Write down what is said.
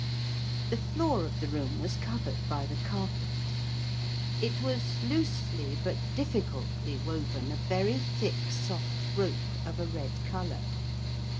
The floor of the room was covered by the carpet. It was loosely but difficultly woven of very thick soft rope of a red colour.